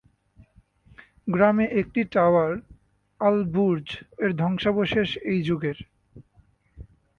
গ্রামে একটি টাওয়ার, "আল-বুর্জ", এর ধ্বংসাবশেষ এই যুগের।